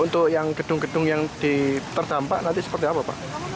untuk yang gedung gedung yang terdampak nanti seperti apa pak